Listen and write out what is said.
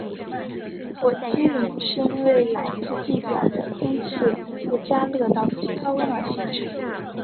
火积云是因为来自地表的空气被加热到极高温而形成。